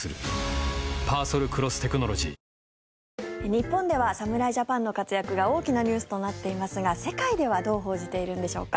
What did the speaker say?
日本では侍ジャパンの活躍が大きなニュースとなっていますが世界ではどう報じているんでしょうか？